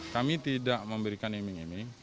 kami tidak memberikan iming iming